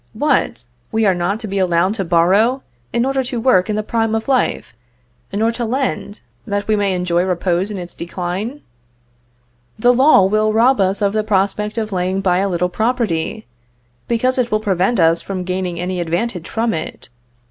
What! we are not to be allowed to borrow, in order to work in the prime of life, nor to lend, that we may enjoy repose in its decline? The law will rob us of the prospect of laying by a little property, because it will prevent us from gaining any advantage from it.